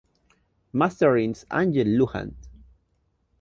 Mastering: Ángel Luján.